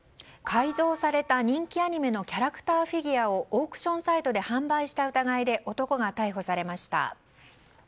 改造された、人気アニメのキャラクターフィギュアをオークションサイトで販売した疑いで男が逮捕されました。